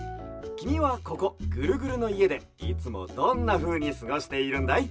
きみはここぐるぐるのいえでいつもどんなふうにすごしているんだい？